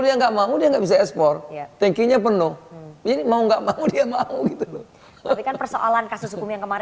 dia nggak mau dia nggak bisa ekspor ya tankingnya penuh jadi mau enggak mau dia mau mau mau dia mau mau